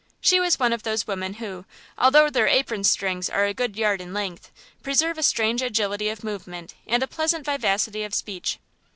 She was one of those women who, although their apron strings are a good yard in length, preserve a strange agility of movement and a pleasant vivacity of speech.